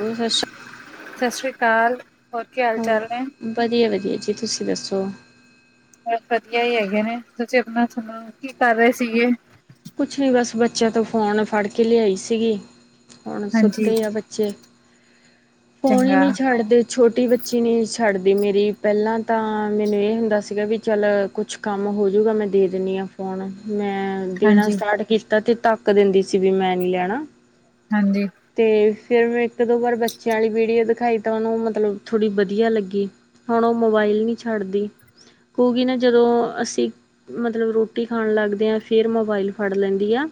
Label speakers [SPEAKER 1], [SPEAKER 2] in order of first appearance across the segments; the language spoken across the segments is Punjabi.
[SPEAKER 1] ਹੋਰ ਸਤਿ ਸ਼੍ਰੀ
[SPEAKER 2] ਸਸਰੀ ਕਾਲ ਹੋਰ ਕੀ ਹਾਲ ਚਾਲ ਨੇ?
[SPEAKER 1] ਵਧੀਆ ਵਧੀਆ ਜੀ ਤੁਸੀਂ ਦੱਸੋ?
[SPEAKER 2] ਬਸ ਵਧੀਆ ਈ ਹੈਗੇ ਨੇ ਤੁਸੀਂ ਆਪਣਾ ਸੁਣਾੋ ਕੀ ਕਰ ਰਏ ਸੀ ਗੇ?
[SPEAKER 1] ਕੁਛ ਨਈ ਬਸ ਬੱਚਿਆਂ ਤੋਂ ਫ਼ੋਨ ਫੜ ਕੇ ਲਿਆਈ ਸੀਗੀ। ਹੁਣ
[SPEAKER 2] ਹਾਂਜੀ
[SPEAKER 1] ਸੁੱਤੇ ਆ ਬੱਚੇ, ਫੋਨ ਹੀ
[SPEAKER 2] ਚੰਗਾ
[SPEAKER 1] ਨਹੀਂ ਛੱਡਦੇ। ਛੋਟੀ ਬੱਚੀ ਨਹੀਂ ਛੱਡਦੀ ਮੇਰੀ, ਪਹਿਲਾਂ ਤਾਂ ਮੈਨੂੰ ਇਹ ਹੁੰਦਾ ਸੀਗਾ ਵੀ ਚੱਲ ਕੁਛ ਕੰਮ ਹੋਜੂਗਾ, ਮੈਂ ਦੇ ਦਿੰਨੀ ਹਾਂ ਫੋਨ, ਮੈਂ ਦੇਣਾ
[SPEAKER 2] ਹਾਂਜੀ
[SPEAKER 1] ਸਟਾਰਟ ਕੀਤਾ ਤੇ ਧੱਕ ਦਿੰਦੀ ਸੀ, ਵੀ ਮੈਂ ਨੀ ਲੈਣਾ।
[SPEAKER 2] ਹਾਂਜੀ।
[SPEAKER 1] ਤੇ ਫਿਰ ''ਮੈਂ ਇੱਕ-ਦੋ ਵਾਰ ਬੱਚਿਆਂ ਵਾਲੀ ਵੀਡੀਓ ਦਿਖਾਈ ਤਾਂ, ਉਹਨੂੰ ਮਤਲਬ ਥੋੜੀ ਵਧੀਆ ਲੱਗੀ। ਹੁਣ, ਉਹ ਮੋਬਾਇਲ ਨਹੀਂ ਛੱਡਦੀ, ਕੁਗੀ ਨਾ ਜਦੋਂ ਅਸੀ ਮਤਲਬ, ਰੋਟੀ ਖਾਣ ਲੱਗਦੇ ਆਂ ਫੇਰ ਮੋਬਾਇਲ ਫੜ ਲੈਂਦੀ ਆ।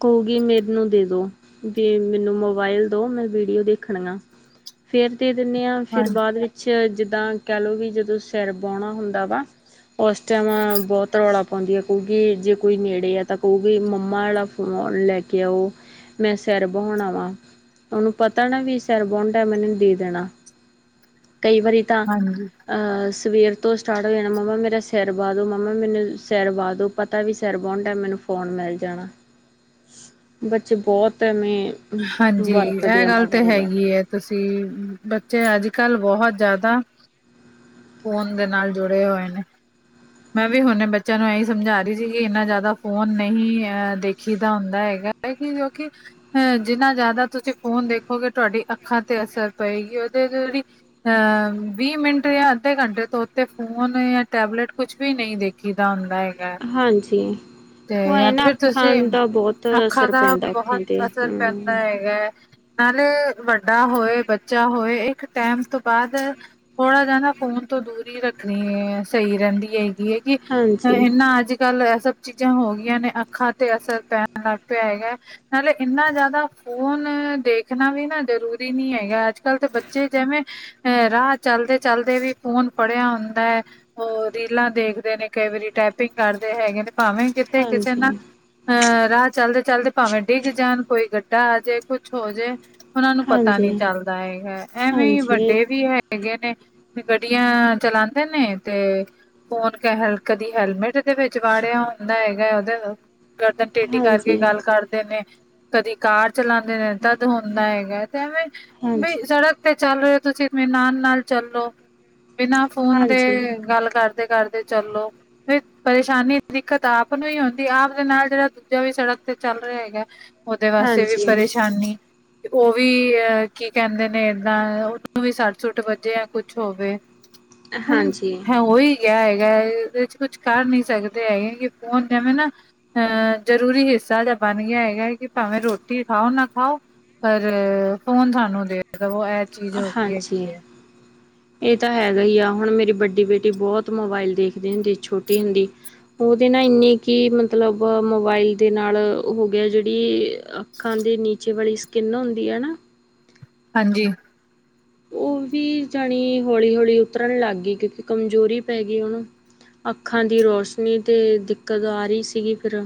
[SPEAKER 1] ਕੋਉਗੀ ਮੇਨੂੰ ਦੇਦੋ। ਵੀ ਮੈਨੂੰ ਮੋਬਾਇਲ ਦੋ ਮੈਂ ਵੀਡੀਓ ਦੇਖਣਗਾਂ, ਫੇਰ ਦੇ ਦਿੰਨੇ ਆਂ,
[SPEAKER 2] ਹਾਂ
[SPEAKER 1] ਫਿਰ ਬਾਅਦ ਵਿੱਚ ਜਿੱਦਾਂ ਕਹਿ ਲਓ, ਵੀ ਜਦੋਂ ਸਿਰ ਬਾਹਣਾ ਹੁੰਦਾ ਵਾ ਉਸ ਟਾਈਮ ਬਹੁਤ ਰੌਲਾ ਪਾਉਂਦੀ ਆ, ਕਉਗੀ, ਕਿ ਜੇ ਕੋਈ ਨੇੜੇ ਆ ਤਾਂ ਕਉਗੀ, ਮੰਮਾ ਵਾਲਾ ਫੋਨ ਲੈਕੇ ਆਓ। ਮੈਂ ਸਿਰ ਬਹੋਣਾ ਵਾ, ਉਹਨੂੰ ਪਤਾ ਨਾ ਵੀ ਸਿਰ ਬੌਣ ਟਾਇਮ‌ ਇਹਨੇ ਦੇ ਦੇਣਾ। ਕਈ ਵਾਰੀ ਤਾਂ,
[SPEAKER 2] ਹਾਂਜੀ
[SPEAKER 1] ਅਹ ਸਵੇਰ ਤੋਂ ਸਟਾਰਟ ਹੋ ਜਾਣਾ ਮੰਮਾ ਮੇਰਾ ਸਿਰ ਵਾ ਦੋ ਮੰਮਾ ਮੈਨੂੰ ਸਿਰ ਵਾਹ ਦੋ, ਪਤਾ ਵੀ ਸਿਰ ਬੌਹਣ ਟਾਇਮ ਮੈਨੂੰ ਫ਼ੋਨ ਮਿਲ ਜਾਣਾ। ਬੱਚੇ ਬਹੁਤ ਐਵੇਂ
[SPEAKER 2] ਹਾਂਜੀ,
[SPEAKER 1] ਵਰਤਦੇ
[SPEAKER 2] ਐ
[SPEAKER 1] ਆ
[SPEAKER 2] ਗੱਲ ਤਾਂ
[SPEAKER 1] ਮੋਬਾਇਲ
[SPEAKER 2] ਹੈਗੀ ਹੈ, ਤੁਸੀ ਬੱਚੇ ਅੱਜ-ਕੱਲ ਬਹੁਤ ਜ਼ਿਆਦਾ ਫ਼ੋਨ ਦੇ ਨਾਲ ਜੁੜੇ ਹੋਏ ਨੇ। ਮੈਂ' ਵੀ ਹੁਣੇੇ ਬੱਚਿਆਂ ਨੂੰ ਇਹੀ ਸਮਝਾ ਰਹੀ ਸੀਗੀ, ਇੰਨਾ ਜ਼ਿਆਦਾ ਫੋਨ ਨਹੀਂ, ਅ ਦੇਖੀ ਦਾ ਹੁੰਦਾ ਹੈਗਾ। ਏਹੀ, ਜੋਕਿ ਜਿੰਨਾ ਜ਼ਿਆਦਾ ਤੁਸੀਂ ਫ਼ੋਨ ਦੇਖੋਗੇ ਤੁਹਾਡੀ ਅੱਖਾਂ ਤੇ ਅਸਰ ਪਏਗੀ, ਉਹਦੇ ਜਿਹੜੀ ਅਂ ਵੀਹ ਮਿੰਟ ਜਾਂ ਅੱਧੇ ਘੰਟੇ ਤੋਂ ਉੱਤੇ ਫੋਨ ਯਾ, ਟੈਬਲੇਟ ਕੁਛ ਵੀ ਨਹੀਂ ਦੇਖ ਕੀਦਾ ਹੁੰਦਾ ਹੈਗਾ।
[SPEAKER 1] ਹਾਂਜੀ।
[SPEAKER 2] ਤੇ
[SPEAKER 1] ਉਹ
[SPEAKER 2] ਯਾ
[SPEAKER 1] ਇਹ
[SPEAKER 2] ਤੇ
[SPEAKER 1] ਨਾ
[SPEAKER 2] ਫਿਰ ਤੁਸੀ,
[SPEAKER 1] ਅੱਖਾਂ ਦਾ ਬਹੁਤ
[SPEAKER 2] ਅੱਖਾਂ
[SPEAKER 1] ਅਸਰ
[SPEAKER 2] ਦਾ
[SPEAKER 1] ਪੈਂਦਾ ਅੱਖਾਂ
[SPEAKER 2] ਬਹੁਤ
[SPEAKER 1] ਤੇ
[SPEAKER 2] ਅਸਰ ਪੈਂਦਾ
[SPEAKER 1] ਹਮ
[SPEAKER 2] ਹੈਗਾ ਏ। ਨਾਲੇ ਵੱਡਾ ਹੋਏ, ਬੱਚਾ ਹੋਏ, ਇੱਕ ਟਾਈਮ ਤੋਂ ਬਾਅਦ ਥੋੜ੍ਹਾ ਜਾ ਨਾ ਫੋਨ ਤੋਂ ਦੂਰ ਹੀ ਰੱਖਣੀ, ਸਹੀ ਰਹਿੰਦੀ ਹੈਗੀ ਏ, ਕਿ
[SPEAKER 1] ਹਾਂਜੀ
[SPEAKER 2] ਇਹਨਾ ਅੱਜ ਕੱਲ ਇਹ ਸਭ ਚੀਜ਼ਾਂ ਹੋ ਗਈਆਂ ਨੇ, ਅੱਖਾਂ ਤੇ ਅਸਰ ਪੈਣ ਲੱਗ ਪਿਆ ਹੈਗਾ, ਨਾਲੇ ਇੰਨਾ ਜ਼ਿਆਦਾ ਫੋਨ ਦੇਖਣਾ ਵੀ ਨਾ ਜ਼ਰੂਰੀ ਨੀ ਹੈਗਾ, ਅੱਜ-ਕੱਲ ਤਾ ਬੱਚੇ ਜੇਂਵੇਂ ਅ ਰਾਹ ਚਲਦੇ-ਚਲਦੇ ਵੀ ਫ਼ੋਨ ਪੜਿਆ ਹੁੰਦਾ ਹੈ। ਉਹ ਰੀਲਾਂ ਦੇਖਦੇ ਨੇ ਕਈ ਵਾਰੀ, ਟੈਪਿੰਗ ਕਰਦੇ ਹੈਗੇ ਨੇ, ਭਾਵੇਂ ਕਿਥੇ, ਕਿਸੇ ਨਾ,
[SPEAKER 1] ਹਾਂਜੀ
[SPEAKER 2] ਅਹ ਰਾਹ ਚੱਲਦੇ-ਚੱਲਦੇ ਭਾਵੇਂ ਡਿੱਗ ਜਾਣ ਕੋਈ ਗੱਡੀ ਵੱਡਾ ਆ ਜੇ ਕੁਛ ਹੋਜੇ ਉਹਨਾਂ ਨੂੰ ਪਤਾ
[SPEAKER 1] ਹਾਂਜੀ
[SPEAKER 2] ਨੀ ਚੱਲਦਾ ਹੈਗਾ। ਐਵੇਂ ਹੀ,
[SPEAKER 1] ਹਾਂਜੀ
[SPEAKER 2] ਵੱਡੇ ਵੀ ਹੈ ਹੈਗੇ ਨੇ, ਗੱਡੀਆਂ ਚਲਾਂਦੇ ਨੇ, ਤੇ ਫੋਨ ਕ ਕਦੀ ਹੈਲਮੇਟ ਦੇ ਵਿੱਚ ਵਾੜਿਆ ਹੁੰਦਾ ਹੈਗਾ, ਉਹਦੇ ਗਰਦਨ ਟੇਢੀ ਕਰਕੇ
[SPEAKER 1] ਹਾਂਜੀ
[SPEAKER 2] ਗੱਲ ਕਰਦੇ ਨੇ, ਕਦੀ ਕਾਰ ਚਲਾਂਦੇ ਨੇ, ਤਦ ਹੁੰਦਾ ਹੈਗਾ ਤੇ ਐਵੇਂ, ਬ
[SPEAKER 1] ਹਾਂਜੀ
[SPEAKER 2] ਸੜਕ ਤੇ ਚੱਲ ਰਹੇ ਹੋ, ਤੁਸੀਂ ਬੀ ਨਾਨ-ਨਾਲ ਚੱਲੋ, ਬਿਨਾਂ ਫੋਨ ਦੇ
[SPEAKER 1] ਹਾਂਜੀ
[SPEAKER 2] ਗੱਲ ਕਰ ਕਰਦੇ-ਕਰਦੇ ਚੱਲੋ। ਫਿਰ ਪਰੇਸ਼ਾਨੀ, ਦਿੱਕਤ ਆਪ ਨੂੰ ਹੀ ਹੁੰਦੀ। ਆਪ ਦੇ ਨਾਲ ਜਿਹੜਾ ਦੂਜਾ ਵੀ ਸੜਕ ਤੇ ਚੱਲ ਰਿਹਾ ਹੈਗਾ ਦੁਜਿਆਂ ਵਾਸਤੇ ਵੀ
[SPEAKER 1] ਹਾਂਜੀ
[SPEAKER 2] ਪਰੇਸ਼ਾਨੀ। ਉਹ ਵੀ ਅਹ ਕੀ ਕਹਿੰਦੇ ਨੇ ਇਦਾਂ, ਉਹਨੂੰ ਵੀ ਸੱਟ-ਸੁੱਟ ਵੱਜੇ ਯਾ ਕੁਛ ਹੋਵੇ। ਹੁਨ,
[SPEAKER 1] ਹਾਂਜੀ
[SPEAKER 2] ਹੈ ਓਹੀ ਹੈਗਾ ਏ, ਇਹ'ਚ ਕੁਛ ਕਰ ਨੀ ਸਕਦੇ ਹੈਗੇ, ਫੋਨ ਜੈਂਵੇਂ ਨਾ ਅਹ, ਜ਼ਰੂਰੀ ਹਿੱਸਾ ਜਾ ਬਣਗਿਆ ਹੈਗਾ ਹੈ, ਕਿ ਭਾਂਵੇਂ ਰ੍ਹੋਟੀ ਖਾਓ ਨਾ ਖਾਓ, ਪਰ ਫੋਨ ਤੁਹਾਨੂੰ ਦੇ ਦਵੋ ਐ
[SPEAKER 1] ਹਾਂਜੀ। ਇਹ ਤਾਂ ਹੈਗਾ ਹੀ ਆ, ਹੁਣ ਮੇਰੀ ਵੱਡੀ ਬੇਟੀ ਬਹੁਤ ਮੋਬਾਇਲ ਦੇਖਦੇ ਹੁੰਦੀ ਛੋਟੀ ਹੁੰਦੀ। ਉਹਦੇ ਨਾ ਇੰਨੇ ਕਿ, ਮਤਲਬ ਮੋਬਾਇਲ ਦੇ ਨਾਲ ਹੋਗਿਆ ਜਿਹੜੀ ਅੱਖਾਂ ਦੀ ਨੀਚੇ ਵਾਲੀ ਸਕਿੰਨ ਹੁੰਦੀ ਹੈ ਨਾ
[SPEAKER 2] ਹਾਂਜੀ
[SPEAKER 1] ਉਹ ਵੀ ਜਾਣੀ ਹੌਲੀ ਹੌਲੀ ਉਤਰਨ ਲੱਗ ਗਈ ਕਿਉਂਕਿ ਕਮਜ਼ੋਰੀ ਪੈ ਗਈ ਉਨੂੰ ਅੱਖਾਂ ਦੀ ਰੋਸ਼ਨੀ ਤੇ ਦਿੱਕਤ ਆ ਰਹੀ ਸੀਗੀ ਫਿਰ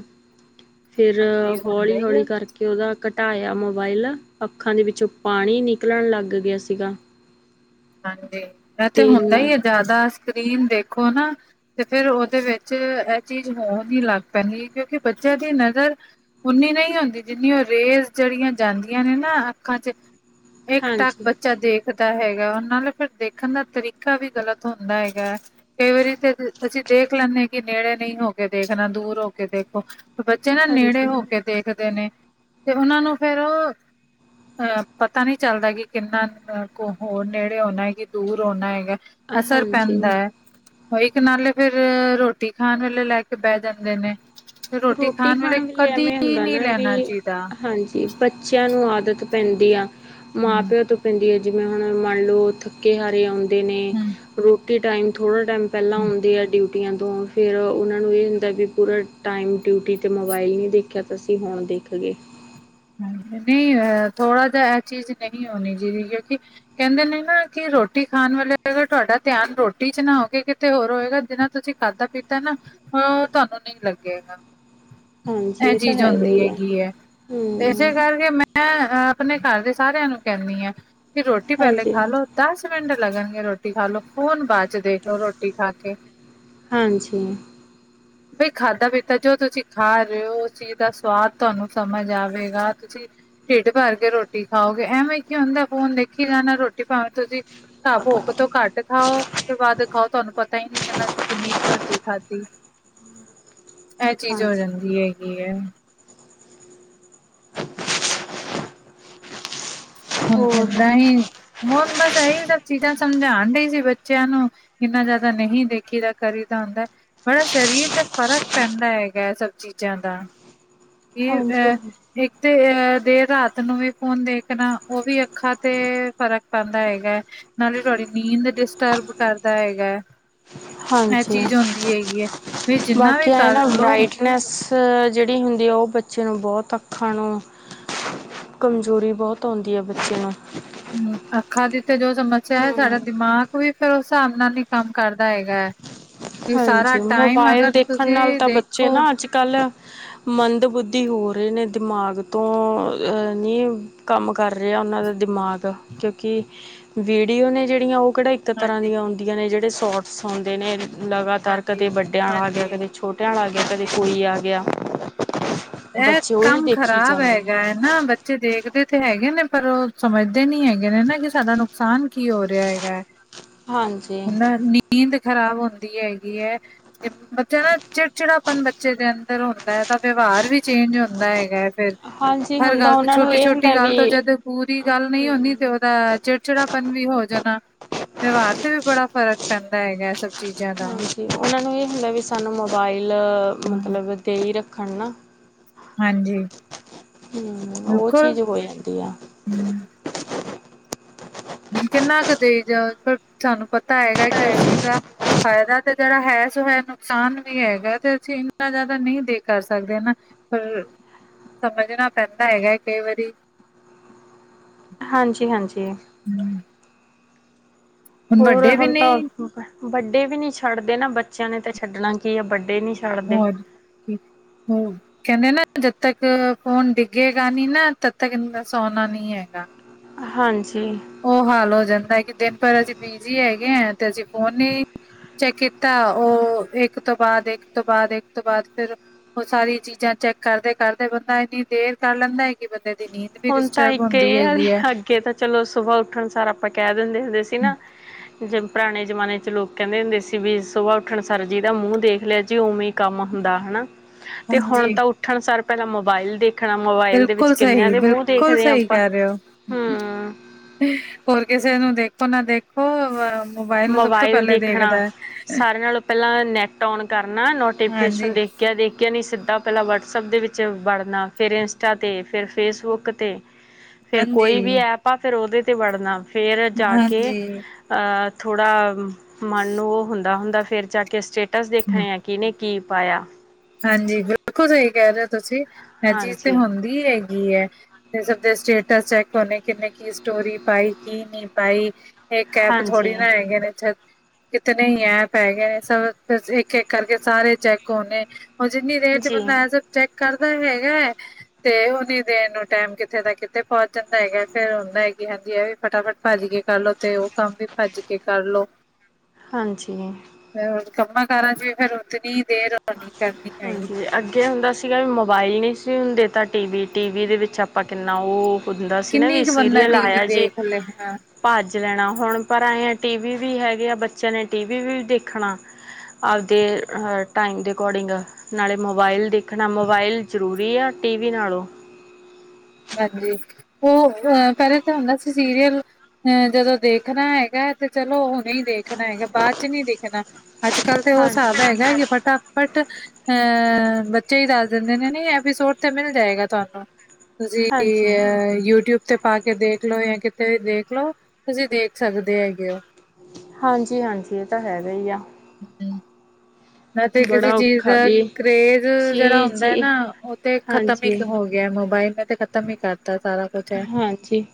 [SPEAKER 1] ਫਿਰ
[SPEAKER 2] ਹਾਂਜੀ ਹੁੰਦਾ
[SPEAKER 1] ਹੌਲੀ
[SPEAKER 2] ਹੀ
[SPEAKER 1] ਹੌਲੀ
[SPEAKER 2] ਆ
[SPEAKER 1] ਕਰਕੇ ਕੇ ਉਹਦਾ ਘਟਾਇਆ ਮੋਬਾਇਲ ਅੱਖਾਂ ਦੇ ਵਿੱਚੋਂ ਪਾਣੀ ਨਿਕਲਣ ਲੱਗ ਗਿਆ ਸੀ। ਸੀਗਾ
[SPEAKER 2] ਹਾਂਜੀ ਇਹ ਤੇ ਹੁੰਦਾ ਹੀ ਆ ਜ਼ਿਆਦਾ ਸਕਰੀਨ ਦੇਖੋ ਨਾ ਤੇ ਫਿਰ ਉਹਦੇ ਵਿੱਚ ਇਹ ਚੀਜ਼ ਹੋ ਨਹੀਂ ਲੱਗ ਪੈਂਣੀ ਹੈ ਕਿਉਂਕਿ ਬੱਚਿਆਂ ਦੀ ਨਜ਼ਰ ਉਨੀ ਨਹੀਂ ਹੁੰਦੀ ਜਿੰਨੀ ਉਹ ਰੇਸ ਜਿਹੜੀਆਂ ਜਾਂਦੀਆਂ ਨੇ ਨਾ ਅੱਖਾਂ ਚ ਇੱਕ ਟੱਕ
[SPEAKER 1] ਹਾਂਜੀ
[SPEAKER 2] ਬੱਚਾ ਦੇਖਦਾ ਹੈਗਾ ਉਹ ਨਾਲੇ ਫਿਰ ਦੇਖਣ ਦਾ ਤਰੀਕਾ ਵੀ ਗ਼ਲਤ ਹੁੰਦਾ ਹੈਗਾ। ਕਈ ਵਾਰੀ ਤੇ ਅਸੀਂ ਦੇਖ ਲੈਂਦੇ ਹਾਂ ਕਿ ਨੇੜੇ ਨਹੀਂ ਹੋ ਕੇ ਦੇਖਣਾ ਦੂਰ ਹੋ ਕੇ ਦੇਖੋ। ਬੱਚੇ ਨਾ ਨੇੜੇ
[SPEAKER 1] ਹਾਂਜੀ
[SPEAKER 2] ਹੋ ਕੇ ਦੇਖਦੇ ਨੇ ਤੇ ਉਨਾਂ ਨੂੰ ਫੇਰ ਉਹ ਅਹ ਪਤਾ ਨਹੀਂ ਚੱਲਦਾ ਕਿ ਕਿੰਨਾ ਹੋਰ ਨੇੜੇ ਹੋਣਾ ਹੈ ਦੂਰ ਹੋਣਾ ਹੈਗਾ ਅਸਰ
[SPEAKER 1] ਹਾਂਜੀ
[SPEAKER 2] ਪੈਂਦਾ ਹੈ। ਉਹਹੀ ਇੱਕ ਨਾਲੇ ਫੇਰ ਰੋਟੀ ਖਾਣ ਵੇਲੇ ਲੈ ਕੇ ਬਹਿ ਜਾਂਦੇ ਨੇ ਫ ਰੋਟੀ ਖਾਣ ਵੇਲੇ ਕਦੀ
[SPEAKER 1] ਐਵੇਂ ਹੁੰਦਾ
[SPEAKER 2] ਨਹੀਂ
[SPEAKER 1] ਨਾ
[SPEAKER 2] ਲੈਣਾ
[SPEAKER 1] ਵੀ
[SPEAKER 2] ਚਾਹੀਦਾ।
[SPEAKER 1] ਹਾਂਜੀ ਬੱਚਿਆਂ ਨੂੰ ਆਦਤ ਪੈਂਦੀ ਆ ਮਾਂ
[SPEAKER 2] ਹਮ
[SPEAKER 1] ਪਿਓ ਤੋਂ ਪੈਂਦੀ ਹੈ। ਜਿਵੇਂ ਹੁਣ ਮੰਨ ਲਓ ਥੱਕੇ ਹਾਰੇ ਆਂਦੇ ਨੇ
[SPEAKER 2] ਹਮ
[SPEAKER 1] ਰੋਟੀ ਟਾਈਮ ਥੋੜ੍ਹਾ ਟਾਈਮ ਪੈਂਲਾਂ ਆਂਦੇ ਆ ਡਿਊਟੀਆਂ ਤੋਂ ਫੇਿਰ ਉਨਾ ਨੂੰ ਇਹ ਹੁੰਦਾ ਵੀ ਪੂਰਾ ਟਾਈਮ ਡਿਊਟੀ 'ਤੇ ਮੋਬਾਇਲ ਨਹੀਂ ਦੇਖਿਆ ਤਾਂ ਅਸੀਂ ਹੁਣ ਦੇਖ ਗਏ।
[SPEAKER 2] ਹ ਨਹੀਂ ਥੋੜ੍ਹਾ ਜਿਹਾ ਇਹ ਚੀਜ਼ ਨਹੀਂ ਹੋਣੀ ਚਾਹੀਦੀ ਕਿਉਂਕਿ ਕਹਿੰਦੇ ਨੇ ਨਾ ਕਿ ਰੋਟੀ ਖਾਣ ਵਾਲੇ ਅਗਰ ਤੁਹਾਡਾ ਧਿਆਨ ਰੋਟੀ ਚ ਨਾ ਹੋਵੇ ਕਿ ਤੇ ਹੋਰ ਹੋਏਗਾ ਜਿਨਾ ਤੁਸੀਂ ਖਾਧਾ ਪੀਤਾ ਨਾ ਉਹ ਤੁਹਾਨੂੰ ਨਹੀਂ ਲੱਗੇਗਾ।
[SPEAKER 1] ਹਾਂਜੀ
[SPEAKER 2] ਇਹ
[SPEAKER 1] ਤਾਂ
[SPEAKER 2] ਚੀਜ਼
[SPEAKER 1] ਹੈਗਾ
[SPEAKER 2] ਹੋਂਦੀ
[SPEAKER 1] ਹੀ
[SPEAKER 2] ਹੈਗੀ ਹੈ। ਇਸੇ
[SPEAKER 1] ਹਮ
[SPEAKER 2] ਕਰਕੇ ਮੈਂ ਆਪਣੇ ਘਰ ਦੇ ਸਾਰਿਆਂ ਨੂੰ ਕੈੱਂਦੀ ਹਾਂ ਕਿ ਰੋਟੀ ਪਹਿਲੇ
[SPEAKER 1] ਹਾਂਜੀ
[SPEAKER 2] ਖਾਾਲੋ ਦਸ ਮਿੰਟ ਲੱਗਣਗੇ ਰੋਟੀ ਖਾ ਲ ਲੋ ਫੋਨ ਬਾਅਦ ਚ ਦੇਖ ਲੋ ਰੋਟੀ ਖਾ ਕੇ
[SPEAKER 1] ਹਾਂਜੀ
[SPEAKER 2] ਬਈ ਖਾਧਾ ਪੀਤਾ ਜੋ ਤੁਸੀਂ ਖਾ ਰਹੇ ਹੋ ਉਸ ਚੀਜ਼ ਦਾ ਸਵਾਦ ਤਾਨੂੰ ਸਮਝ ਆਵੇ। ਰਾ ਤੁਸੀਂ ਢਿਡ ਭਰ ਕੇ ਰੋਟੀ ਖਾਓਗੇ ਐਵੇਂ ਕੀ ਹੁੰਦਾ ਫੋਣ ਦੇਖੀ ਜਾਣਾ ਰੋਟੀ ਪਾਵੇ ਤੁਸੀਂ ਘ ਭੁੱਖ ਤੋਂ ਘੱਟ ਖਾਓ ਤੋਂ ਬਦ ਖਾਓ ਤੁਹਾਨੂੰ ਪਤਾ ਹੀ ਨਹੀਂ। ਕਹਨਾ ਅਸੀਂ ਕਿੰਨੀ ਰੋਟੀ ਖਾਧੀ ਇਹ ਚੀਜ਼ ਹੋ
[SPEAKER 1] ਹਾਂਜੀ
[SPEAKER 2] ਜਾਂਦੀ ਹੈਗੀ ਹੈ। ਹੁਣ
[SPEAKER 1] ਹੋਰ
[SPEAKER 2] ਏਦਾਂ ਹੀ ਹੁਣ ਬਸ ਇਹੀ ਸਭ ਚੀਜ਼ਾਂ ਸਮਝਾਣ ਡਹੀ ਸੀ ਬੱਚਿਆਂ ਨੂੰ ਇੰਨਾ ਜ਼ਿਆਦਾ ਨਹੀਂ ਦੇਖੀ ਦਾ ਕਰੀਦਾ ਹੁੰਦਾ। ਬੜਾ ਸਰੀਰ ਤੇ ਫ਼ਰਕ ਪੈਂਦਾ ਹੈਗਾ ਇਹ ਸਭ ਚੀਜ਼ਾਂ ਦਾ ਇਹ
[SPEAKER 1] ਹਾਂਜੀ
[SPEAKER 2] ਅ ਇੱਕ ਤੇ ਅਹ ਦੇਰ ਰਾਤ ਨੂੰ ਵੀ ਫੋਨ ਦੇਖਣਾ ਉਹ ਵੀ ਅੱਖਾਂ ਤੇ ਫ਼ਰਕ ਪੈਂਦਾ ਹੈਗਾ ਹੈ। ਨਾਲੇ ਤੁਹਾਡੀ ਨੀਂਦ ਡਿਸਟਰਬ ਕਰਦਾ ਹੈਗਾ ਹੈ। ਇਹ
[SPEAKER 1] ਹਾਂਜੀ ਹਾਂਜੀ।
[SPEAKER 2] ਚੀਜ਼ ਹੁੰਦੀ ਹੈਗੀ ਹੈ ਫ ਜਿੰਨਾ ਵੀ ਕਰ ਲਓ।
[SPEAKER 1] ਫਿਟਨੈਸ ਜਿਹੜੀ ਹੁੰਦੀ ਆ ਉਹ ਬੱਚੇ ਨੂੰ ਬਹੁਤ ਅੱਖਾਂ ਨੂੰ ਕਮਜ਼ੋਰੀ ਬਹੁਤ ਆਂਦੀ ਹੈ ਬੱਚੇ ਨੂੰ
[SPEAKER 2] ਹਮ ਅੱਖਾਂ ਦੇ ਉਤੇ ਜੋ ਸਮੱਸਿਆ ਹੈ ਸਾਡਾ ਦਿਮਾਗ ਵੀ ਫੇਰ ਉਸ ਹਿਸਾਬ ਨਾਲ ਹੀ ਕੰਮ ਕਰਦਾ ਹੈਗਾ ਹੈ। ਕਿ ਸਾਰਾ
[SPEAKER 1] ਹਾਂਜੀ
[SPEAKER 2] ਟਾਈਮ
[SPEAKER 1] ਮੋਬਾਇਲ
[SPEAKER 2] ਅਗਰ
[SPEAKER 1] ਦੇਖਣ ਨਾਲ
[SPEAKER 2] ਤੁਸੀਂ
[SPEAKER 1] ਤਾਂ ਬੱਚੇ
[SPEAKER 2] ਦੇਖੋ
[SPEAKER 1] ਨਾ ਅੱਜ ਕੱਲ ਮੰਦ ਬੁੱਧੀ ਹੋ ਰਹੇ ਨੇ ਦਿਮਾਗ ਤੋਂ ਅਹ ਨੀ ਕੰਮ ਕਰ ਰਿਹਾ ਉਨਾਂ ਦਾ ਦਿਮਾਗ ਕਿਉਂਕਿ ਵੀਡੀਓ ਨੇ ਜਿਹੜੀਆਂ ਉਹ ਕਢਾਈ ਇੱਕ ਤਰ੍ਹਾਂ
[SPEAKER 2] ਹਾਂਜੀ,
[SPEAKER 1] ਦੀਆਂ ਹੁੰਦੀਆਂ ਨੇ ਜਿਹੜੇ ਸੋਟਸ ਔਦੇ ਨੇ ਲਗਾਤਾਰ
[SPEAKER 2] ਹਾਂਜੀ,
[SPEAKER 1] ਕਦੇ ਵੱਡਿਆਂ ਵਾਲ ਆ ਗਿਆ,
[SPEAKER 2] ਹਾਂਜੀ,
[SPEAKER 1] ਕਦੇ ਛੋਟਿਆਂ ਵਾਲ ਆ ਗਿਆ, ਕਦੇ
[SPEAKER 2] ਹਾਂਜੀ।
[SPEAKER 1] ਕੋਈ ਆ ਗਿਆ।
[SPEAKER 2] ਇਹ
[SPEAKER 1] ਬੱਚੇ ਉਹੀ
[SPEAKER 2] ਕੰਮ
[SPEAKER 1] ਦੇਖੀ
[SPEAKER 2] ਖ਼ਰਾਬ
[SPEAKER 1] ਜਾਂਦੇ ਨੇ
[SPEAKER 2] ਹੈਗਾ। ਨਾ ਬੱਚੇ ਦੇਖਦੇ ਤੇ ਹੈਗੇ ਨੇ। ਪਰ ਉਹ ਸਮਝਦੇ ਨੀ ਹੈਗੇ। ਨੇ ਨਾ ਕਿ ਸਾਡਾ ਨੁਕਸਾਨ ਕੀ ਹੋ ਰਿਹਾ ਹੈਗਾ।
[SPEAKER 1] ਹਾਂਜੀ
[SPEAKER 2] ਹਨਾ ਨੀਂਦ ਖ਼ਰਾਬ ਹੁੰਦੀ ਹੈਗੀ ਹੈ। ਜ ਬੱਚਾ ਨਾ ਚਿੜਚਿੜਾਪਨ ਬੱਚੇ ਦੇ ਅੰਦਰ ਹੁੰਦਾ। ਹੈ ਤਾਂ ਵਿਵਹਾਰ ਵੀ ਚੇਂਜ ਹੁੰਦਾ ਹੈਗਾ। ਫੇਰ
[SPEAKER 1] ਹਾਂਜੀ
[SPEAKER 2] ਹਰ
[SPEAKER 1] ਹੁੰਦਾ
[SPEAKER 2] ਗੱਲ ਤੇ
[SPEAKER 1] ਉਹਨਾਂ ਨੂੰ
[SPEAKER 2] ਛੋਟੀ-
[SPEAKER 1] ਇਹ
[SPEAKER 2] ਛੋਟੀ
[SPEAKER 1] ਹੁੰਦਾ ਵੀ
[SPEAKER 2] ਗੱਲ ਤੋਂ ਜਦ ਪੂਰੀ ਗੱਲ ਨਹੀਂ
[SPEAKER 1] ਹਮ
[SPEAKER 2] ਹੁੰਦੀ ਤੇ। ਚਿੜਚਿੜਾ ਪਨ ਵੀ ਹੋ ਜਾਣਾ। ਵਿਵਹਾਰ ਤੇ ਵੀ ਬੜਾ ਫ਼ਰਕ ਪੈਂਦਾ ਹੈਗਾ। ਸ- ਚੀਜ਼ਾਂ ਦਾ।
[SPEAKER 1] ਤੇ ਉਹਨਾਂ ਨੂੰ ਇਹ ਹੁੰਦਾ ਵੀ ਸਾਨੂੰ, ਮੋਬਾਈਲ
[SPEAKER 2] ਹਾਂ,
[SPEAKER 1] ਮਤਲਬ ਦੇ ਹੀ ਰੱਖਣ ਨਾ।
[SPEAKER 2] ਹਾਂਜੀ।
[SPEAKER 1] ਹੂੰ, ਉਹ
[SPEAKER 2] ਬਿਲਕੁਲ।
[SPEAKER 1] ਚੀਜ਼ ਹੋ ਜਾਂਦੀ ਆ।
[SPEAKER 2] [inaudible] ਕਿੰਨਾ ਕੁ ਦੇਈ ਜਾਓ, ਪਰ ਸਾਨੂੰ ਪਤਾ ਹੈਗਾ ਕਿ ਉਸ ਚੀਜ਼ ਦਾ। ਫ਼ਾਇਦਾ ਤੇ ਜਿਹੜਾ ਹੈ ਸੋ ਹੈ, ਨੁਕਸਾਨ ਵੀ ਹੈਗਾ। ਤੇ ਅਸੀਂ ਇੰਨਾ ਜ਼ਿਆਦਾ ਨਹੀਂ ਦੇ ਕਰ ਸਕਦੇ ਹਨ ਨਾ। ਪਰ ਸਮਝਣਾ ਪੈਂਦਾ ਹੈਗਾ, ਕਈ ਵਾਰੀ।
[SPEAKER 1] ਹਾਂਜੀ- ਹਾਂਜੀ।
[SPEAKER 2] [inaudible]
[SPEAKER 1] ਹੋਰ
[SPEAKER 2] ਵੱਡੇ ਵੀ
[SPEAKER 1] ਹੁਣ ਤਾਂ,
[SPEAKER 2] ਨਹੀਂ
[SPEAKER 1] ਵੱਡੇ ਵੀ ਨਹੀਂ ਛੱਡਦੇ ਨਾ ਬੱਚਿਆਂ ਨੇ ਤਾਂ ਛੱਡਣਾ ਕੀ ਆ, ਵੱਡੇ ਨੀ।
[SPEAKER 2] ਹੋਰ ਜੀ ਹੋਰ? ਕਹਿੰਦੇ ਨਾ ਜਦ ਤੱਕ ਫੋਨ ਡਿੱਗੇਗਾ ਨੀ ਨਾ, ਤਦ ਤੱਕ ਸੋਣਾ ਨੀ ਹੈਗਾ।
[SPEAKER 1] ਹਾਂਜੀ।
[SPEAKER 2] ਉਹ ਹਾਲ ਹੋ ਜਾਂਦਾ। ਕਿ ਦਿਨ ਭਰ ਅਸੀਂ ਬਿਜੀ ਹੈਗੇ ਆ, ਤੇ ਅਸੀਂ ਫੋਨ ਨਹੀਂ- ਚੈੱਕ ਕੀਤਾ। ਉਹ ਇੱਕ ਤੋਂ ਬਾਅਦ- ਇੱਕ ਤੋਂ ਬਾਅਦ, ਇੱਕ ਤੋਂ ਬਾਅਦ ਫੇਰ। ਉਹ ਸਾਰੀ ਚੀਜ਼ਾਂ ਚੈੱਕ ਕਰਦੇ- ਕਰਦੇ ਬੰਦਾ ਇੰਨੀ ਦੇਰ ਕਰ ਲੈਂਦਾ, ਕਿ ਬੰਦੇ ਦੀ ਨੀਂਦ ਵੀ ਡਿਸਟਰਬ ਹੁੰਦੀ ਹੈਗੀ ਹੈ।
[SPEAKER 1] ਕਿ ਤਾਂ ਚਲੋ ਸੁਬਾਹ ਉੱਠਣ ਸਾਰ, ਆਪਾਂ ਕਹਿ ਦਿੰਦੇ ਹੁੰਦੇ ਸੀ ਨਾ। ਜ ਪੁਰਾਣੇ ਜਮਾਨੇ ਚ ਲੋਕ ਕਹਿੰਦੇ ਹੁੰਦੇ ਸੀ ਵੀ। ਸੁਬਾਹ ਉੱਠਣ, ਸਰ ਜੀ ਦਾ ਮੂੰਹ ਦੇਖ ਲਿਆ ਜੀ ਉਵੇਂ ਕੰਮ ਹੁੰਦਾ ਹਨਾ। ਤੇ ਹੁਣ
[SPEAKER 2] ਹਾਂਜੀ
[SPEAKER 1] ਤਾਂ ਉੱਠਣ ਸਾਰ ਪਹਿਲਾਂ ਮੋਬਾਇਲ ਦੇਖ- ਣਾ ਮੋਬਾਇਲ ਦੇ ਵਿੱਚ ਕਿੰਨਿਆਂ ਦੇ- ਮੂੰਹ
[SPEAKER 2] ਬਿਲਕੁੱਲ
[SPEAKER 1] ਦੇਖਦੇ ਹਾਂ
[SPEAKER 2] ਸਹੀ
[SPEAKER 1] ਆਪਾਂ
[SPEAKER 2] ਕਰਹਿ ਰਹੇ।
[SPEAKER 1] ਹੂੰ
[SPEAKER 2] ਹੋ, ਹੋਰ ਕਿਸੇ ਨੂੰ ਦੇਖੋ ਨਾ ਦੇਖੋ। ਮੋਬਾਇਲ ਨੂੰ ਸਭ ਤੋਂ
[SPEAKER 1] ਮੋਬਾਈਲ
[SPEAKER 2] ਪਹਿਲੇ
[SPEAKER 1] ਦੇਖਣਾ,
[SPEAKER 2] ਦੇਖਦਾ ਹੈ।
[SPEAKER 1] ਸਾਰਿਆਂ ਨਾਲੋਂ ਪਹਿਲਾਂ ਨੈਟ ਓਨ ਕਰਨਾ,
[SPEAKER 2] ਹਾਂਜੀ
[SPEAKER 1] ਨੋਟੀਫਿਕੇਸ਼ਨ ਦੇ- ਖਿਆ- ਦੇਖਿਆ ਨਹੀਂ ਸਿੱਧਾ, ਪਹਿਲਾਂ ਵਟਸਐਪ ਦੇ ਵਿੱਚ ਵੜਨਾ, ਫੇਰ ਇੰਸਟਾ ਤੇ, ਫਿਰ ਫੇਸਬੁੱਕ ਤੇ,
[SPEAKER 2] [inaudible]
[SPEAKER 1] ਫੇਰ ਕੋਈ ਵੀ ਐਪ ਆ ਫੇਰ ਉਹਦੇ ਤੇ ਵੜਨਾ, ਫੇਰ ਜਾ ਕੇ
[SPEAKER 2] ਹਾਂਜੀ
[SPEAKER 1] ਅਹ। ਥੋੜਾ ਮਨ ਨੂੰ ਉਹ ਹੁੰਦਾ। ਹੁੰਦਾ ਫੇਰ ਜਾ ਕੇ ਸਟੇਟਸ ਦੇਖਣੇ ਆ। ਕਿੰਨੇ ਕੀ ਪਾਇਆ।
[SPEAKER 2] ਹਾਂਜੀ, ਬਿਲਕੁਲ ਸਹੀ ਕਹਿ ਰਹੇ ਹੋ ਤੁਸੀਂ, ਏਹ ਚੀਜ਼ ਤੇ
[SPEAKER 1] ਹਾਂਜੀ
[SPEAKER 2] ਹੁੰਦੀ ਹੈ। ਕੀ ਹੈ। ਫੇਰ ਸਭ ਦੇ ਸਟੇਟਸ ਚੈੱਕੇ ਕਰਨੇ ਕਿਨੇ ਕੀ ਸਟੋਰੀ ਪਾਈ, ਕੀ ਨਹੀਂ ਪਾਈ। ਇਹ ਕੈਪ ਥੋੜੀ
[SPEAKER 1] ਹਾਂਜੀ
[SPEAKER 2] ਨਾ ਹੈਗੇ ਨੇ। ਇੱਥੇ- ਕਿਤੇਨ ਹੀ ਐਪ ਹੈਗੇ ਨੇ। ਸ ਇੱਕ- ਇੱਕ ਕਰਕੇ ਸਾਰੇ ਚੈੱਕ ਹੋਣੇ। ਉਹ ਜਿੰਨੀ ਦੇਟ ਚ
[SPEAKER 1] ਜੀ
[SPEAKER 2] ਬੰਦਾ ਐ ਸਬ ਚੈੱਕ ਕਰਦਾ ਹੈਗਾ ਹੈ। ਤੇ ਉਹਨੀ ਦੇਣ ਨੂੰ ਟੈਮ ਕਿਤੇ ਨਾ ਕਿਤੇ ਪਹੁੰਚ ਜਾਂਦਾ ਹੈਗਾ। ਫੇਰ ਹੁਂਦਾ ਹੈ ਜੀ, ਹਾਂਜੀ। ਫਟਾਫਟ ਭੱਜ ਕੇ ਕਰ ਲੋ, ਤੇ ਉਹ ਕੰਮ ਵੀ ਭੱਜ ਕੇ ਕਰਲੋ।
[SPEAKER 1] ਹਾਂਜੀ।
[SPEAKER 2] ਫੇਰ ਕੰਮਾਂ- ਕਾਰਾਂ ਚ ਵੀ ਫੇਰ ਉਤਨੀ ਦੇਰ ਹੋਣੀ। ਕਰਨੀ ਹੈਗੀ।
[SPEAKER 1] ਹਾਂਜੀ। ਅੱਗੇ ਹੁੰਦਾ ਸੀਗਾ, ਵੀ ਮੋਬਾਇਲ ਨਹੀਂ ਸੀ ਹੁੰਦੇ, ਤਾਂ ਟੀ ਵੀ। ਟੀ ਵੀ ਦੇ ਵਿੱਚ ਆਪਾਂ ਕਿੰਨਾ ਉਹ। ਹੁੰਦਾ ਸੀ ਨਾ,
[SPEAKER 2] ਕਿੰਨੀ
[SPEAKER 1] ਵੀ
[SPEAKER 2] ਕੁ ਬੰਦਾ
[SPEAKER 1] ਸੀਰੀਅਲ
[SPEAKER 2] ਟੀਵੀ
[SPEAKER 1] ਆਇਆ ਜੇ-
[SPEAKER 2] ਦੇਖ ਲੇ ਹਾਂ
[SPEAKER 1] ਭੱਜ ਲੈਣਾ। ਹੁਣ ਪਰ ਆ ਟੀਵੀ ਵੀ ਹੈਗੇ ਆ। ਬੱਚਿਆਂ ਨੇ ਟੀਵੀ ਵੀ ਦੇਖਣਾ। ਆਪਦੇ ਅਹ ਟਾਈਮ ਦੇ ਅਕੋਡਿੰਗ, ਨਾਲੇ ਮੋਬਾਇਲ ਦੇਖਣਾ ਮੋਬਾਇਲ ਜ਼ਰੂਰੀ ਆ ਟੀ ਵੀ ਨਾਲੋਂ।
[SPEAKER 2] ਹਾਂਜੀ ਉਹ ਅਹ ਪਹਿਲੇ ਤਾਂ ਹੁੰਦਾ ਸੀ ਸੀਰੀਅਲ ਅ ਜਦੋਂ ਦੇਖਣਾ ਹੈਗਾ ਤੇ ਚਲੋ ਨਹੀਂ ਦੇਖਣਾ ਹੈਗਾ ਬਾਅਦ ਚ ਨਹੀ ਦੇਖਣਾ ਅੱਜ -ਕੱਲ੍ਹ ਤੇ ਉਹ ਹਿਸਾਬ
[SPEAKER 1] ਹਾਂਜੀ
[SPEAKER 2] ਹੈਗਾ ਕਿ ਫਟਾ ਬਟ ਅਹ ਬੱਚੇ ਹੀ ਦੱਸ ਦਿੰਦੇ ਨੇ ਨਹੀਂ ਐਪੀਸੋਡ ਤੇ ਮਿਲ ਜਾਏਗਾ ਤੁਹਾਨੂੰ ਜ਼ੀ
[SPEAKER 1] ਹਾਂਜੀ
[SPEAKER 2] ਏ, ਯੂਟਿਊਬ ਉਤੇ ਪਾ ਕੇ ਦੇਖ ਲੋ ਜਾਂ ਕਿਤੇ ਵੀ ਦੇਖ ਲਓ। ਤੁਸੀਂ ਦੇਖ ਸਕਦੇ ਹੈਗੇ ਹੋ।
[SPEAKER 1] ਹਾਂਜੀ -ਹਾਂਜੀ, ਇਹ ਤਾਂ ਹੈਗਾ ਹੀ ਆ।
[SPEAKER 2] ਹਮ ਨਾ ਤੇ ਕਿਸੇ
[SPEAKER 1] ਬੜਾ
[SPEAKER 2] ਚੀਜ਼ ਦਾ
[SPEAKER 1] ਔਖਾ ਵੀ
[SPEAKER 2] ਕਰੇਜ ਜਿਹੜਾ
[SPEAKER 1] ਜੀ
[SPEAKER 2] ਹੁੰਦਾ ਹੈ
[SPEAKER 1] ਜੀ
[SPEAKER 2] ਨਾ, ਉਹ ਤੇ ਖਤਮ ਹੀ
[SPEAKER 1] ਹਾਂਜੀ
[SPEAKER 2] ਹੋ ਗਿਆ। ਮੋਬਾਇਲ ਨੇ ਤੇ ਖਤਮ ਹੀ ਕਰਤਾ ਸਾਰਾ ਕੁੱਛ।
[SPEAKER 1] ਹਾਂਜੀ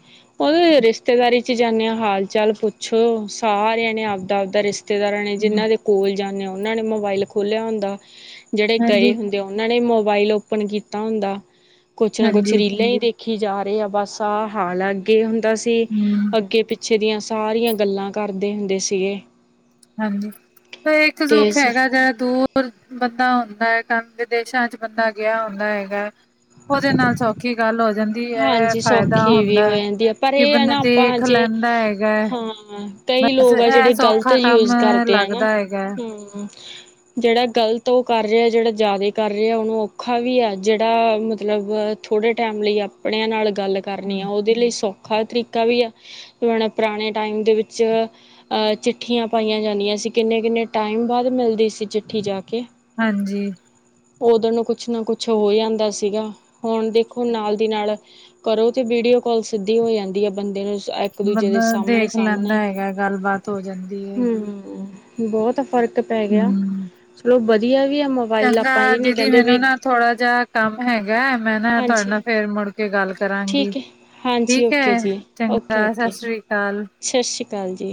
[SPEAKER 1] ਉਹਦੇ ਰਿਸ਼ਤੇਦਾਰੀ ਚ ਜਾਂਦੇ ਹਾਂ ਹਾਲ -ਚਾਲ ਪੁੱਛੋ, ਸਾਰਿਆਂ ਨੇ ਆਪਦਾ- ਆਪਦਾ ਰਿਸ਼ਤੇ ਰਿਸ਼ਤੇਦਾਰਾਂ ਨੇ
[SPEAKER 2] ਹੂੰ,
[SPEAKER 1] ਜਿਹਨਾਂ ਦੇ ਕੋਲ ਜਾਂਦੇ ਆ ਉਹਨਾਂ ਨੇ ਮੋਬਾਇਲ ਖੋਲਿਆ ਹੁੰਦਾ। ਜਿਹੜੇ
[SPEAKER 2] ਹਾਂਜੀ,
[SPEAKER 1] ਗਏ ਹੁੰਦੇ -ਉਹਨਾਂ ਨੇ ਮੋਬਾਇਲ ਓਪਨ ਕੀਤਾ ਹੁੰਦਾ। ਕੁਛ ਨਾ ਕੁਛ
[SPEAKER 2] ਹਾਂਜੀ,
[SPEAKER 1] ਰੀਲਾਂ ਹੀ ਦੇਖੀ ਜਾ ਰਹੀ ਆ ਬਸ ਸਾਲ ਅੱਗੇ ਹੁੰਦਾ ਸੀ
[SPEAKER 2] ਹੂੰ,
[SPEAKER 1] ਅੱਗੇ- ਪਿੱਛੇ ਇਥੇ ਦੀਆਂ ਸਾਰੀਆਂ ਗੱਲਾਂ ਕਰਦੇ ਹੁੰਦੇ ਸੀਗੇ।
[SPEAKER 2] ਹਾਂਜੀ, ਤੇ ਇੱਕ
[SPEAKER 1] ਤੇ
[SPEAKER 2] ਦੁੱਖ ਹੈਗਾ ਜਿਹੜਾ ਦੂਰ ਬੰਦਾ ਹੁੰਦਾ ਹੈ ਕ ਵਿਦੇਸ਼ਾਂ 'ਚ ਬੰਦਾ ਗਿਆ ਹੁੰਦਾ ਹੈਗਾ। ਉਹਦੇ ਨਾਲ ਸੌਖੀ ਗੱਲ ਹੋ ਜਾਂਦੀ ਹੈ।
[SPEAKER 1] ਹਾਂਜੀ,
[SPEAKER 2] ਫਾਇਦਾ
[SPEAKER 1] ਸੌਖੀ ਵੀ ਹੋ
[SPEAKER 2] ਹੁੰਦਾ
[SPEAKER 1] ਜਾਂਦੀ ਹੈ ਪਰ
[SPEAKER 2] ਕਿ
[SPEAKER 1] ਇਹ ਹੈ
[SPEAKER 2] ਬੰਦਾ
[SPEAKER 1] ਨਾ ਆਪਾਂ
[SPEAKER 2] ਦੇਖ
[SPEAKER 1] ਜੇ,
[SPEAKER 2] ਲੈਂਦਾ ਹੈਗਾ ਹੈ।
[SPEAKER 1] ਹਾਂ। ਕਈ
[SPEAKER 2] ਬਸ
[SPEAKER 1] ਲੋਕ ਆ
[SPEAKER 2] ਇਹ
[SPEAKER 1] ਜਿਹੜੇ ਗ਼ਲਤ
[SPEAKER 2] ਸੌਖਾ ਕੰਮ
[SPEAKER 1] ਯੂਜ ਕਰਦੇ ਆ ਨਾ।
[SPEAKER 2] ਲੱਗਦਾ ਹੈਗਾ ਹੈ।
[SPEAKER 1] ਹਮ ਜਿਹੜਾ ਗ਼ਲਤ ਉਹ ਕਰ ਰਿਹਾ ਜਿਹੜਾ ਜ਼ਿਆਦਾ ਕਰ ਰਿਹਾ ਉਹਨੂੰ ਔਖਾ ਵੀ ਆ ਜਿਹੜਾ ਮਤਲਬ ਥੋੜ੍ਹੇ ਟਾਈਮ ਲਈ ਆਪਣਿਆਂ ਨਾਲ ਗੱਲ ਕਰਨੀ ਆ ਉਹਦੇ ਲਈ ਸੌਖਾ ਤਰੀਕਾ ਵੀ ਆ। ਹੁਣ ਪੁਰਾਣੇ ਟਾਈਮ ਦੇ ਵਿੱਚ ਅ ਚਿੱਠੀਆਂ ਪਾਈਆਂ ਜਾਂਦੀਆਂ ਸੀ। ਕਿੰਨੇ- ਕਿੰਨੇ ਟਾਈਮ ਬਾਅਦ ਮਿਲਦੀ ਸੀ ਚਿੱਠੀ ਜਾ ਕੇ।
[SPEAKER 2] ਹਾਂਜੀ
[SPEAKER 1] ਉਦ ਨੂੰ ਕੁਛ ਨਾ ਕੁਛ ਹੋ ਜਾਂਦਾ ਸੀਗਾ। ਹੁਣ ਦੇਖੋ ਨਾਲ ਦੀ ਨਾਲ ਕਰੋ ਤੇ ਵੀਡੀਓ ਕਾਲ ਸਿੱਧੀ ਹੋ ਜਾਂਦੀ ਹੈ ਬੰਦੇ ਨੂੰ ਇੱਕ ਦੂਜੇ
[SPEAKER 2] ਬੰਦਾ
[SPEAKER 1] ਦੇ ਸਾਹਮਣੇ
[SPEAKER 2] ਦੇਖ ਲੈਂਦਾ
[SPEAKER 1] -ਸਾਹਮਣੇ,
[SPEAKER 2] ਹੈਗਾ ਗੱਲਬਾਤ ਹੋ ਜਾਂਦੀ ਹੈਗੀ
[SPEAKER 1] ਹਮ। ਬਹੁਤ ਫ਼ਰਕ ਪੈ ਗਿਆ।
[SPEAKER 2] ਹੂੰ।
[SPEAKER 1] ਚਲੋ ਵਧੀਆ ਵੀ ਆ ਮੋਬਾਇਲ
[SPEAKER 2] ਚੰਗਾ
[SPEAKER 1] ਆਪਾਂ ਇਹ ਨੀ
[SPEAKER 2] ਦੀਦੀ
[SPEAKER 1] ਕਹਿੰਦੇ
[SPEAKER 2] ਮੈਨੂੰ
[SPEAKER 1] ਵੀ
[SPEAKER 2] ਨਾ ਥੋੜਾ ਜਿਹਾ ਕੰਮ ਹੈਗਾ, ਮੈਂ ਨਾ ਤੁਹਾਡੇ
[SPEAKER 1] ਹਾਂਜੀ
[SPEAKER 2] ਨਾਲ ਫੇਰ ਮੁੜ ਕੇ ਗੱਲ ਕਰਾਂਗੀ।
[SPEAKER 1] ਠੀਕ ਹੈ ਹਾਂਜੀ
[SPEAKER 2] ਠੀਕ
[SPEAKER 1] ਓਕੇ
[SPEAKER 2] ਹੈ,
[SPEAKER 1] ਜੀ ਓਕੇ
[SPEAKER 2] ਚੰਗਾ ਸਤਿ
[SPEAKER 1] ਓਕੇ
[SPEAKER 2] ਸ੍ਰੀ ਅਕਾਲ।
[SPEAKER 1] ਸਤਿ ਸ਼੍ਰੀ ਅਕਾਲ ਜੀ।